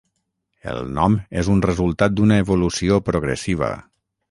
El nom és un resultat d'una evolució progressiva.